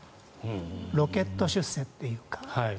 ロケット出世というか。